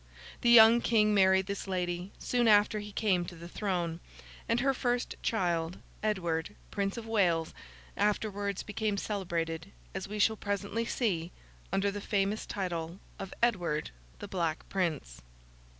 The young King married this lady, soon after he came to the throne; and her first child, Edward, Prince of Wales, afterwards became celebrated, as we shall presently see, under the famous title of Edward the Black Prince.